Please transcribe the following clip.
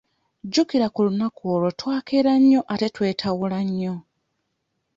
Jjukira ku lunaku olwo twakeera nnyo ate twetawula nnyo.